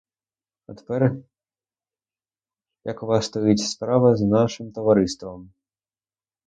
А тепер, як у вас стоїть справа з нашим товариством?